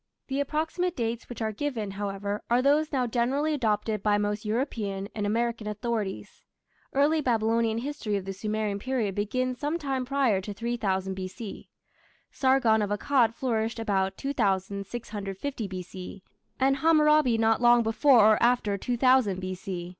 The approximate dates which are given, however, are those now generally adopted by most European and American authorities. Early Babylonian history of the Sumerian period begins some time prior to 3000 B.C; Sargon of Akkad flourished about 2650 B.C., and Hammurabi not long before or after 2000 B.C.